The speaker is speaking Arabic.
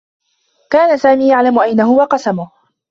كان سامي يعلم أين هو قسمه.